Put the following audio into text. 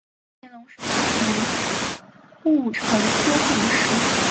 乾隆十三年戊辰科进士。